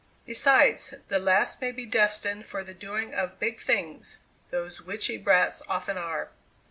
Besides, the lass may be destined for the doing of big things; those witchy brats often are."